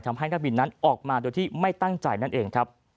นักบินนั้นออกมาโดยที่ไม่ตั้งใจนั่นเองครับ